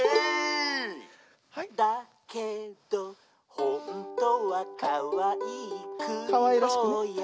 「だけどほんとはかわいいくりぼうや」